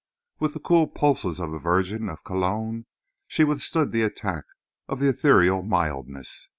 With the cool pulses of a virgin of Cologne she withstood the attack of the ethereal mildness.